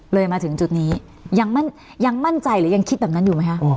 เลยมาถึงจุดนี้ยังมั่นใจหรือยังคิดแบบนั้นอยู่ไหมคะ